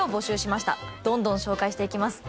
どんどん紹介していきます。